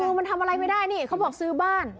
คือมันทำอะไรไม่ได้นี่เขาบอกซื้อบ้าน